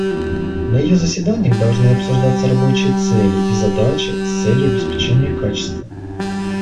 На ее заседаниях должны обсуждаться рабочие цели и задачи с целью обеспечения качества.